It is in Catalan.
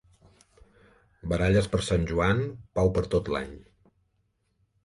Baralles per Sant Joan, pau per tot l'any.